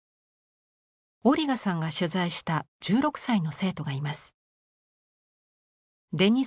オリガさんが取材した１６歳の生徒がいます。